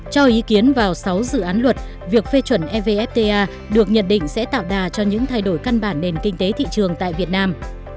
cho ý kiến vào sáu dự án luật việc phê chuẩn evfta được nhận định sẽ tạo đà cho những thay đổi căn bản nền kinh tế thị trường tại việt nam